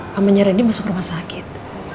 mamanya rendy masuk rumah sakit